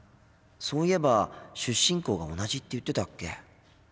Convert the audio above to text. そう言えば出身校が同じって言ってたっけ。